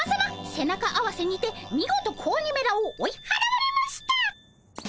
背中合わせにて見事子鬼めらを追い払われました！